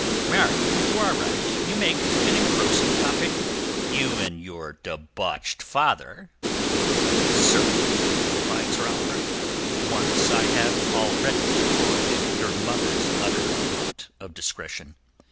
"Marry, you are right; you make an engrossing topic—you and your debauched father." "Sir," replied Sir Oliver, "once already have I deplored your mother's utter want of discretion."